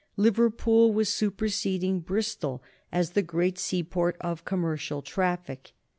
Liverpool was superseding Bristol as the great seaport of commercial traffic.